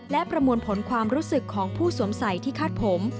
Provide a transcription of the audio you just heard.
และประมวลผลความรู้สึกของผู้สวมใส่ที่คาดผม